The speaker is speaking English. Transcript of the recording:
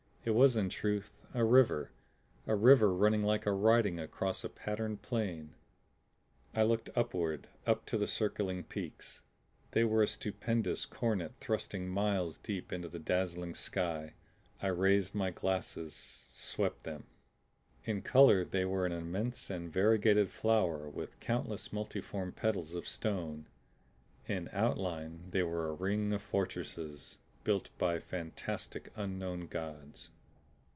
It was in truth a river; a river running like a writing across a patterned plane. I looked upward up to the circling peaks. They were a stupendous coronet thrusting miles deep into the dazzling sky. I raised my glasses, swept them. In color they were an immense and variegated flower with countless multiform petals of stone; in outline they were a ring of fortresses built by fantastic unknown Gods.